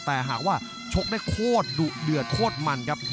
แต่หากว่าชกได้โคตรดุเดือดโคตรมันครับ